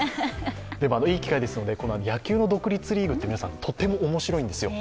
でもいい機会ですので野球の独立リーグってとっても面白いんですよ。